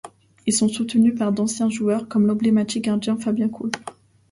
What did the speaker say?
Ils sont soutenus par d'anciens joueurs comme l'emblématique gardien Fabien Cool.